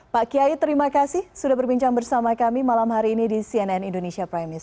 pak kiai terima kasih sudah berbincang bersama kami malam hari ini di cnn indonesia prime news